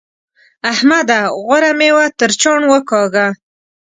احمده! غوره مېوه تر چاڼ وکاږه.